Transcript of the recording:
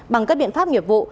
bằng các biện pháp nghiệp vụ